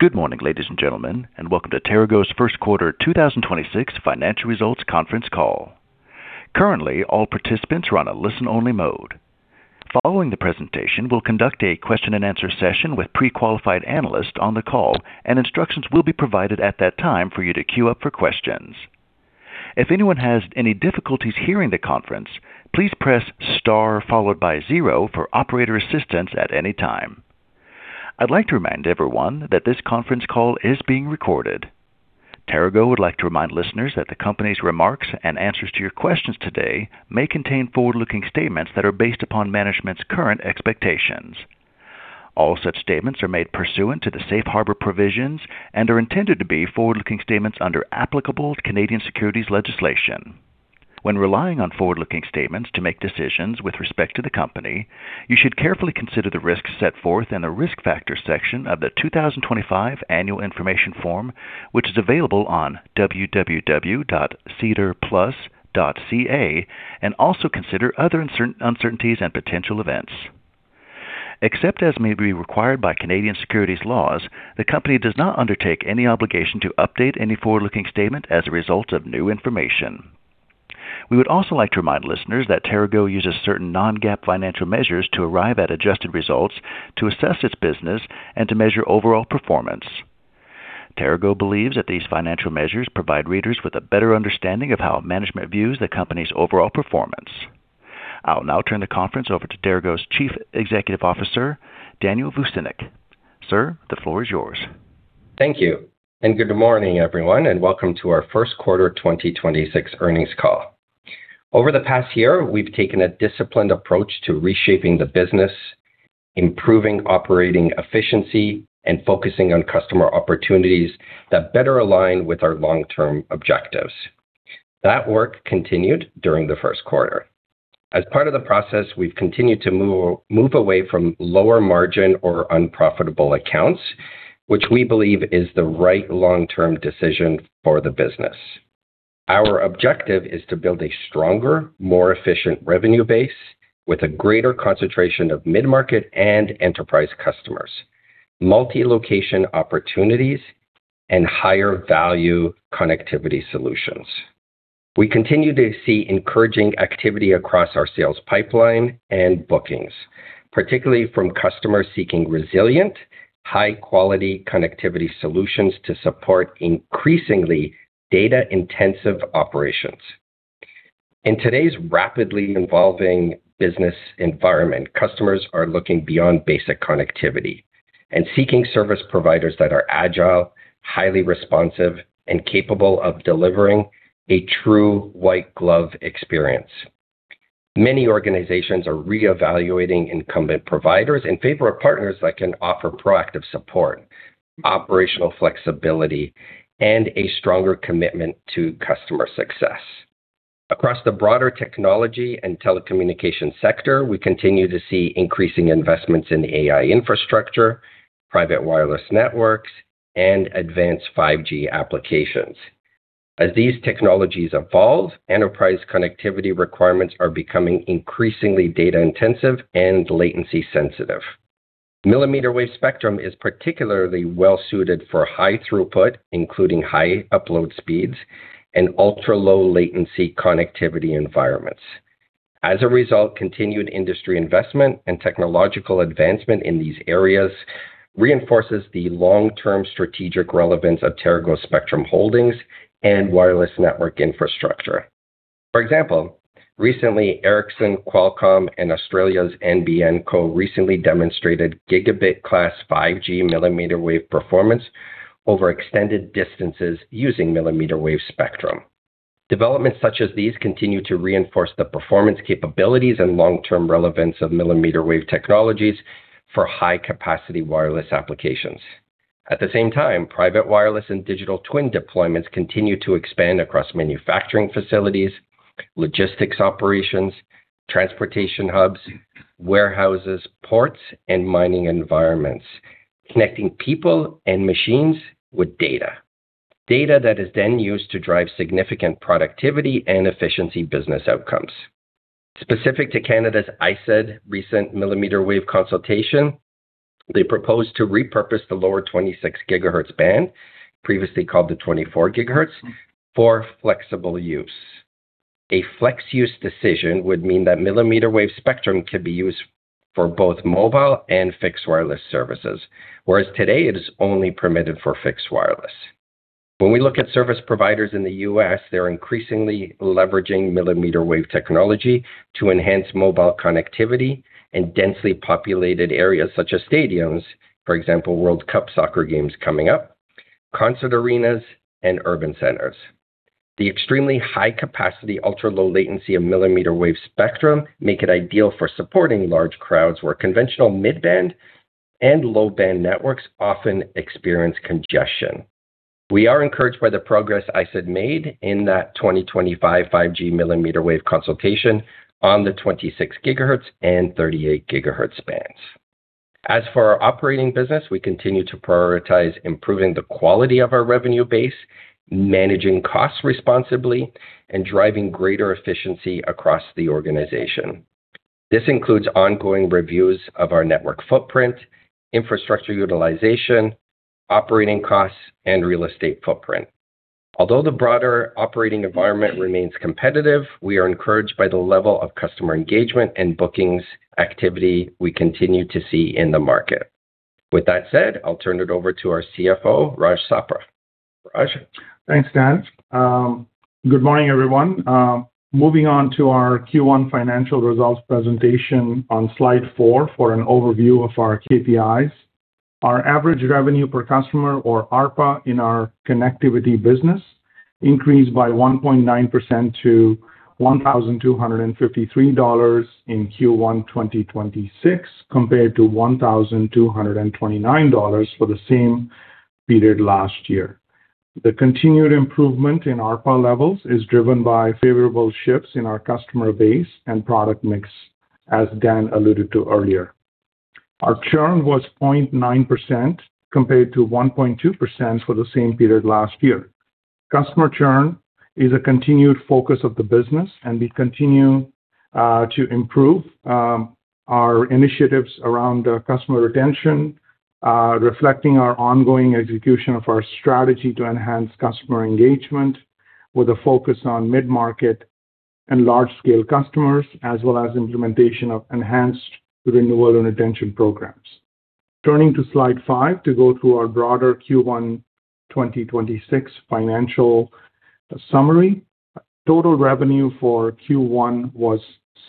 Good morning, ladies and gentlemen. Welcome to TERAGO's first quarter 2026 financial results conference call. Currently, all participants are on a listen-only mode. Following the presentation, we'll conduct a question-and-answer session with pre-qualified analysts on the call. Instructions will be provided at that time for you to queue up for questions. If anyone has any difficulties hearing the conference, please press star followed by zero for operator assistance at any time. I'd like to remind everyone that this conference call is being recorded. TERAGO would like to remind listeners that the company's remarks and answers to your questions today may contain forward-looking statements that are based upon management's current expectations. All such statements are made pursuant to the safe harbor provisions and are intended to be forward-looking statements under applicable Canadian securities legislation. When relying on forward-looking statements to make decisions with respect to the company, you should carefully consider the risks set forth in the Risk Factors section of the 2025 Annual Information Form, which is available on www.sedarplus.ca. Also consider other uncertainties and potential events. Except as may be required by Canadian securities laws, the company does not undertake any obligation to update any forward-looking statement as a result of new information. We would also like to remind listeners that TERAGO uses certain non-GAAP financial measures to arrive at adjusted results to assess its business and to measure overall performance. TERAGO believes that these financial measures provide readers with a better understanding of how management views the company's overall performance. I'll now turn the conference over to TERAGO's Chief Executive Officer, Daniel Vucinic. Sir, the floor is yours. Thank you. Good morning, everyone, and welcome to our first quarter 2026 earnings call. Over the past year, we've taken a disciplined approach to reshaping the business, improving operating efficiency, and focusing on customer opportunities that better align with our long-term objectives. That work continued during the first quarter. As part of the process, we've continued to move away from lower margin or unprofitable accounts, which we believe is the right long-term decision for the business. Our objective is to build a stronger, more efficient revenue base with a greater concentration of mid-market and enterprise customers, multi-location opportunities, and higher value connectivity solutions. We continue to see encouraging activity across our sales pipeline and bookings, particularly from customers seeking resilient, high-quality connectivity solutions to support increasingly data-intensive operations. In today's rapidly evolving business environment, customers are looking beyond basic connectivity and seeking service providers that are agile, highly responsive, and capable of delivering a true white glove experience. Many organizations are reevaluating incumbent providers in favor of partners that can offer proactive support, operational flexibility, and a stronger commitment to customer success. Across the broader technology and telecommunications sector, we continue to see increasing investments in AI infrastructure, private wireless networks, and advanced 5G applications. As these technologies evolve, enterprise connectivity requirements are becoming increasingly data-intensive and latency sensitive. Millimeter wave spectrum is particularly well suited for high throughput, including high upload speeds and ultra-low latency connectivity environments. As a result, continued industry investment and technological advancement in these areas reinforces the long-term strategic relevance of TERAGO spectrum holdings and wireless network infrastructure. For example, recently Ericsson, Qualcomm, and Australia's NBN Co. recently demonstrated gigabit class 5G millimeter wave performance over extended distances using millimeter wave spectrum. Developments such as these continue to reinforce the performance capabilities and long-term relevance of millimeter wave technologies for high capacity wireless applications. At the same time, private wireless and digital twin deployments continue to expand across manufacturing facilities, logistics operations, transportation hubs, warehouses, ports, and mining environments, connecting people and machines with data that is then used to drive significant productivity and efficiency business outcomes. Specific to Canada's ISED recent millimeter wave consultation, they proposed to repurpose the lower 26 GHz band, previously called the 24 GHz, for flexible use. A flexible use decision would mean that millimeter wave spectrum can be used for both mobile and fixed wireless services, whereas today it is only permitted for fixed wireless. When we look at service providers in the U.S., they're increasingly leveraging millimeter wave technology to enhance mobile connectivity in densely populated areas such as stadiums, for example, World Cup soccer games coming up, concert arenas, and urban centers. The extremely high capacity, ultra-low latency of millimeter wave spectrum make it ideal for supporting large crowds where conventional mid-band and low-band networks often experience congestion. We are encouraged by the progress ISED made in that 2025 5G millimeter wave consultation on the 26 GHz and 38 GHz bands. As for our operating business, we continue to prioritize improving the quality of our revenue base, managing costs responsibly, and driving greater efficiency across the organization. This includes ongoing reviews of our network footprint, infrastructure utilization, operating costs, and real estate footprint. Although the broader operating environment remains competitive, we are encouraged by the level of customer engagement and bookings activity we continue to see in the market. With that said, I'll turn it over to our CFO, Raj Sapra. Raj? Thanks, Dan. Good morning, everyone. Moving on to our Q1 financial results presentation on slide four for an overview of our KPIs. Our average revenue per customer or ARPA in our connectivity business increased by 1.9% to 1,253 dollars in Q1 2026, compared to 1,229 dollars for the same period last year. The continued improvement in ARPA levels is driven by favorable shifts in our customer base and product mix, as Dan alluded to earlier. Our churn was 0.9%, compared to 1.2% for the same period last year. Customer churn is a continued focus of the business, and we continue to improve our initiatives around customer retention, reflecting our ongoing execution of our strategy to enhance customer engagement with a focus on mid-market and large scale customers, as well as implementation of enhanced renewal and retention programs. Turning to slide five, to go through our broader Q1 2026 financial summary. Total revenue for Q1 was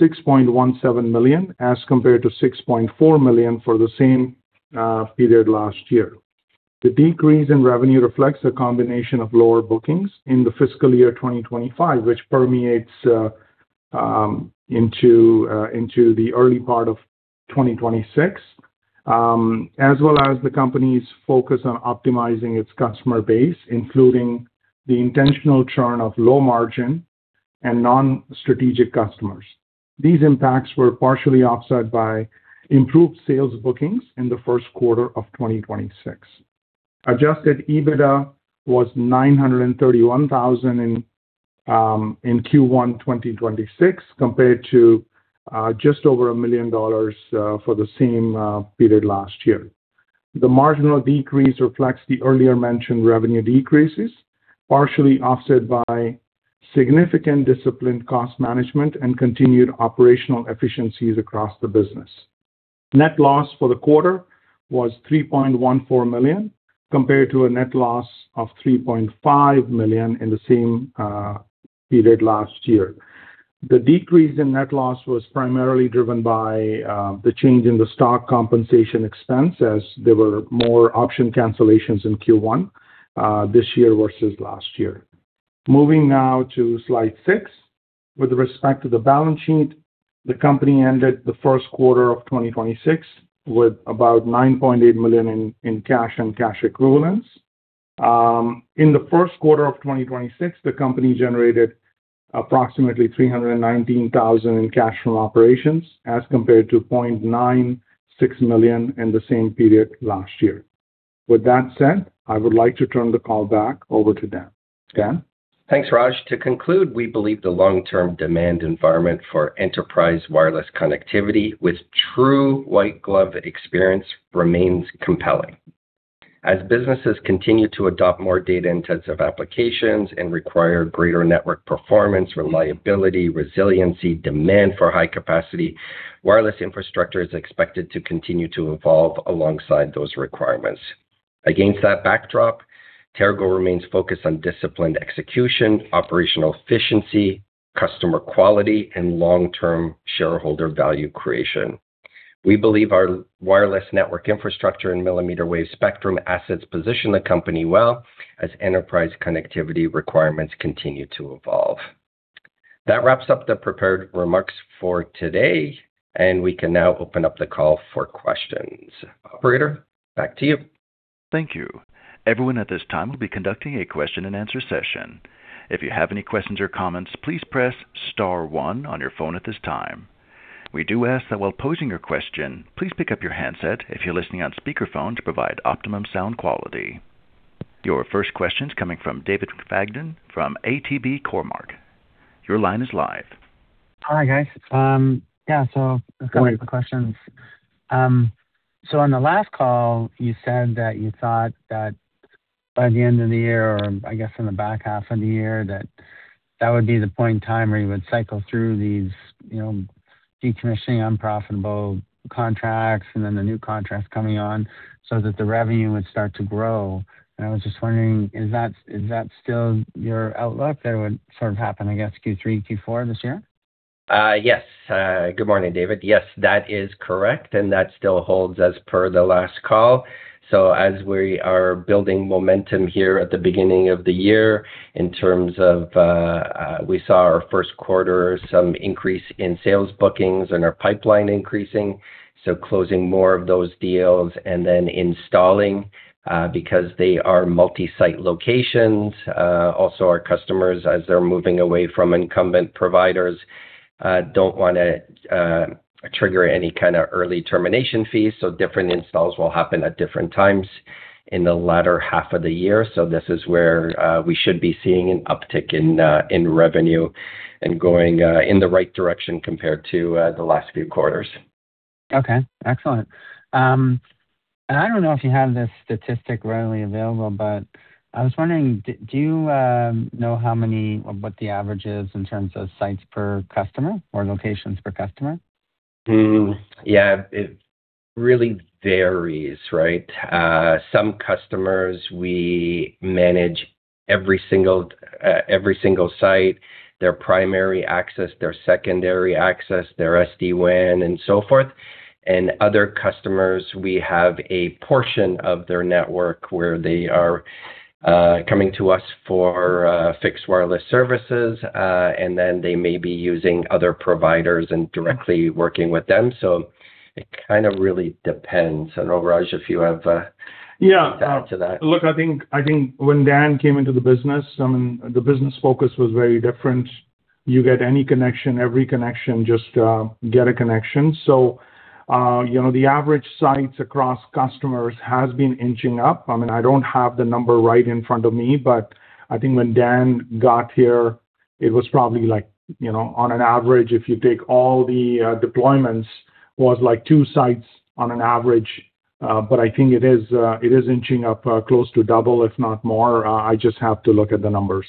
6.17 million, as compared to 6.4 million for the same period last year. The decrease in revenue reflects a combination of lower bookings in the fiscal year 2025, which permeates into the early part of 2026, as well as the company's focus on optimizing its customer base, including the intentional churn of low margin and non-strategic customers. These impacts were partially offset by improved sales bookings in the first quarter of 2026. Adjusted EBITDA was 931,000 in Q1 2026, compared to just over a million CAD for the same period last year. The marginal decrease reflects the earlier mentioned revenue decreases, partially offset by significant disciplined cost management and continued operational efficiencies across the business. Net loss for the quarter was 3.14 million, compared to a net loss of 3.5 million in the same period last year. The decrease in net loss was primarily driven by the change in the stock compensation expense, as there were more option cancellations in Q1 this year versus last year. Moving now to slide six. With respect to the balance sheet, the company ended the first quarter of 2026 with about 9.8 million in cash and cash equivalents. In the first quarter of 2026, the company generated approximately 319,000 in cash from operations, as compared to 0.96 million in the same period last year. With that said, I would like to turn the call back over to Dan. Dan? Thanks, Raj. To conclude, we believe the long-term demand environment for enterprise wireless connectivity with true white glove experience remains compelling. As businesses continue to adopt more data-intensive applications and require greater network performance, reliability, resiliency, demand for high capacity, wireless infrastructure is expected to continue to evolve alongside those requirements. Against that backdrop, TERAGO remains focused on disciplined execution, operational efficiency, customer quality, and long-term shareholder value creation. We believe our wireless network infrastructure and millimeter wave spectrum assets position the company well as enterprise connectivity requirements continue to evolve. That wraps up the prepared remarks for today, and we can now open up the call for questions. Operator, back to you. Thank you. Everyone at this time will be conducting a question and answer session. If you have any questions or comments, please press star one on your phone at this time. We do ask that while posing your question, please pick up your handset if you're listening on speakerphone to provide optimum sound quality. Your first question's coming from David McFadgen from ATB Cormark. Your line is live. Hi, guys. Couple of questions. On the last call, you said that you thought that by the end of the year, or I guess in the back half of the year, that would be the point in time where you would cycle through these, you know, decommissioning unprofitable contracts and then the new contracts coming on so that the revenue would start to grow. I was just wondering, is that, is that still your outlook? That it would sort of happen, I guess, Q3, Q4 this year? Yes. Good morning, David. Yes, that is correct, and that still holds as per the last call. As we are building momentum here at the beginning of the year in terms of, we saw our first quarter, some increase in sales bookings and our pipeline increasing, so closing more of those deals and then installing, because they are multi-site locations. Also our customers, as they're moving away from incumbent providers, don't want to trigger any kind of early termination fees. Different installs will happen at different times. In the latter half of the year, this is where we should be seeing an uptick in revenue and going in the right direction compared to the last few quarters. Okay. Excellent. I don't know if you have this statistic readily available, but I was wondering, do you know how many or what the average is in terms of sites per customer or locations per customer? Yeah. It really varies, right? Some customers we manage every single site, their primary access, their secondary access, their SD-WAN and so forth. Other customers, we have a portion of their network where they are coming to us for fixed wireless services. Then they may be using other providers and directly working with them. It kind of really depends. Raj, if you have? Yeah. Thought to that. Look, I think when Dan came into the business, the business focus was very different. You get any connection, every connection, just get a connection. You know, the average sites across customers has been inching up. I mean, I don't have the number right in front of me, but I think when Dan got here, it was probably like, you know, on an average, if you take all the deployments, was like two sites on an average. I think it is inching up close to double if not more. I just have to look at the numbers.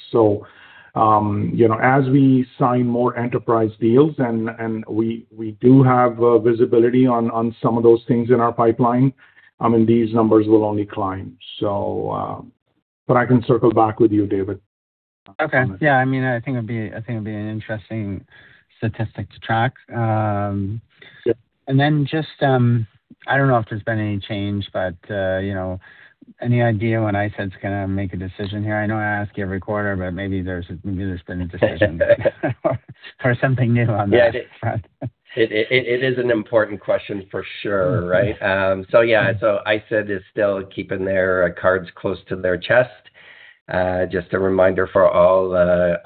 You know, as we sign more enterprise deals and we do have visibility on some of those things in our pipeline, I mean, these numbers will only climb. I can circle back with you, David. Okay. Yeah. I mean, I think it'd be an interesting statistic to track. Yeah. Just, I don't know if there's been any change, but, you know, any idea when ISED it's gonna make a decision here. I know I ask every quarter, but maybe there's been a decision or something new on that front? Yeah. It is an important question for sure, right? Yeah. ISED is still keeping their cards close to their chest. Just a reminder for all,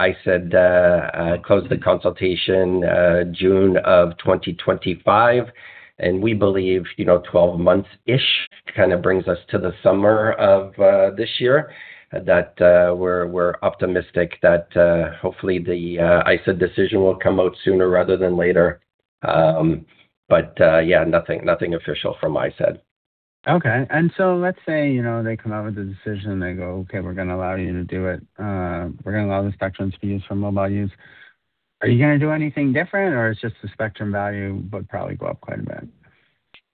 ISED closed the consultation June of 2025. We believe, you know, 12 month-ish kind of brings us to the summer of this year, that we're optimistic that hopefully the ISED decision will come out sooner rather than later. Yeah, nothing official from ISED. Okay. Let's say, you know, they come out with a decision, they go, okay, we're gonna allow you to do it. We're gonna allow the spectrums to be used for mobile use. Are you gonna do anything different, or it's just the spectrum value would probably go up quite a bit?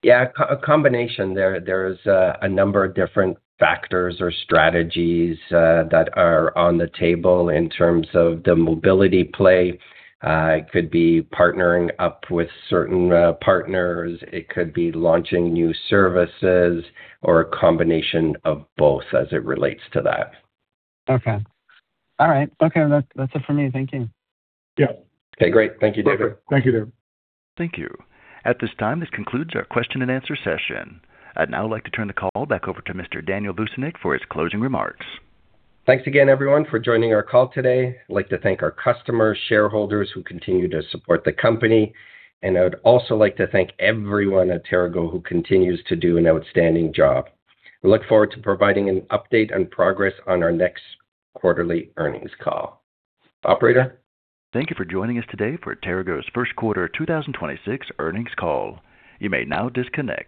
Yeah. A combination there. There's a number of different factors or strategies that are on the table in terms of the mobility play. It could be partnering up with certain partners. It could be launching new services or a combination of both as it relates to that. Okay. All right. Okay. That's it for me. Thank you. Yeah. Okay, great. Thank you, David. Welcome. Thank you, David. Thank you. At this time, this concludes our question and answer session. I'd now like to turn the call back over to Mr. Daniel Vucinic for his closing remarks. Thanks again, everyone, for joining our call today. I'd like to thank our customers, shareholders who continue to support the company. I would also like to thank everyone at TERAGO who continues to do an outstanding job. We look forward to providing an update on progress on our next quarterly earnings call. Operator? Thank you for joining us today for TERAGO's first quarter 2026 earnings call.